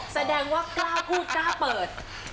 แสดงว่ากล้าพูดกล้าเปิด